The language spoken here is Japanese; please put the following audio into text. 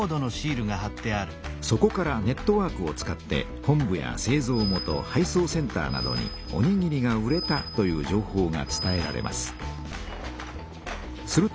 そこからネットワークを使って本部やせいぞう元配送センターなどに「おにぎりが売れた」という情報が伝えられます。